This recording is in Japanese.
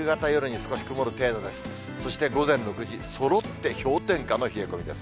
そして、午前６時、そろって氷点下の冷え込みです。